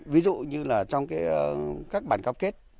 ví dụ như là trong các bản góp kết